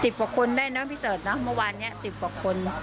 กว่าคนได้เนอะพี่เสิร์ตเนอะเมื่อวานเนี้ยสิบกว่าคน